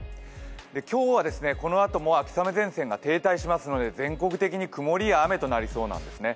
今日はこのあとも秋雨前線が停滞しますので全国的に曇りや雨となりそうなんですね。